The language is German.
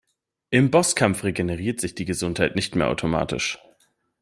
Im Bosskampf regeneriert sich die Gesundheit nicht mehr automatisch.